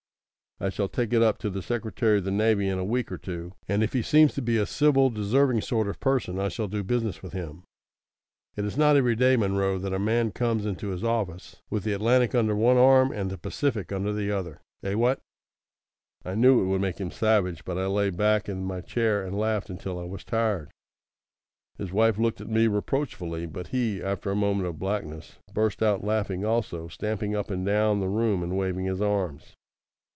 I shall take it up to the Secretary of the Navy in a week or two; and if he seems to be a civil deserving sort of person I shall do business with him. It's not every day, Munro, that a man comes into his office with the Atlantic under one arm and the Pacific under the other. Eh, what?" I knew it would make him savage, but I lay back in my chair and laughed until I was tired. His wife looked at me reproachfully; but he, after a moment of blackness, burst out laughing also, stamping up and down the room and waving his arms.